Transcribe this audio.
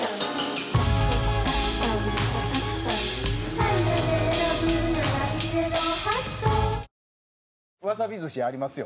蛍原：わさび寿司ありますよ。